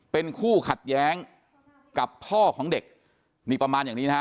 เป็นคู่ขัดแย้งกับพ่อของเด็กนี่ประมาณอย่างนี้นะฮะ